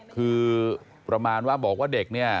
คือประมาณว่าบอกว่าเด็กเนี่ย